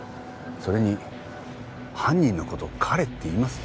それに犯人の事を「彼」って言います？